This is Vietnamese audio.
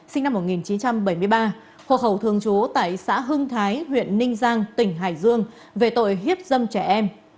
sinh năm một nghìn chín trăm bảy mươi ba hộ khẩu thường trú tại xã hưng thái huyện ninh giang tỉnh hải dương về tội hiếp dâm trẻ em